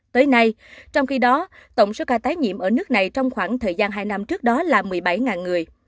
tới nay trong khi đó tổng số ca tái nhiễm ở nước này trong khoảng thời gian hai năm trước đó là một mươi bảy người